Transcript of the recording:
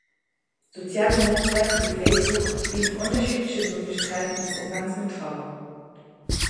Soziale Netzwerke wie Facebook bieten unterschiedliche Möglichkeiten des Umgangs mit Trauer.